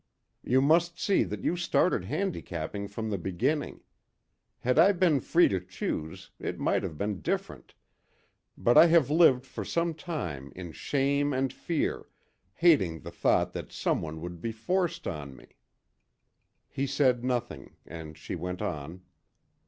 You must see that you started handicapped from the beginning. Had I been free to choose, it might have been different; but I have lived for some time in shame and fear, hating the thought that some one would be forced on me." He said nothing, and she went on.